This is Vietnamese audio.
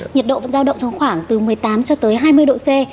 nhiệt độ vẫn giao động trong khoảng từ một mươi tám cho tới hai mươi độ c